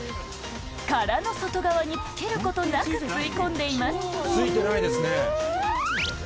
殻の外側につけることなく、吸い込んでいます。